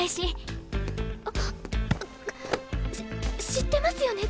し知ってますよね